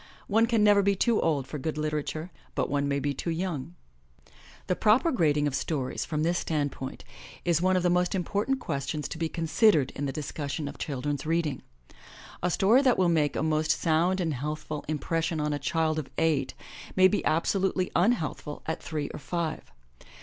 *' One can never be too old for good literature, but one may be too young. The proper grading of stories from this standpoint is one of the most important questions to be considered in the discussion of children's reading. A story that will make a most sound and healthful impression on a child of eight may be absolutely un healthful at three or five.